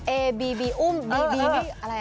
เอบีบีอุ้มอะไรเลย